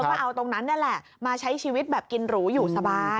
ก็เอาตรงนั้นนี่แหละมาใช้ชีวิตแบบกินหรูอยู่สบาย